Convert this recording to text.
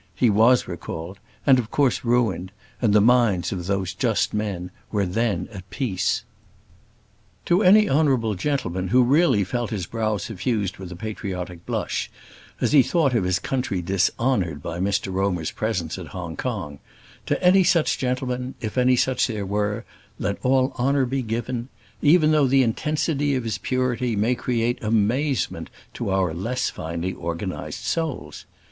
He was recalled, and of course ruined and the minds of those just men were then at peace. To any honourable gentleman who really felt his brow suffused with a patriotic blush, as he thought of his country dishonoured by Mr Romer's presence at Hong Kong to any such gentleman, if any such there were, let all honour be given, even though the intensity of his purity may create amazement to our less finely organised souls.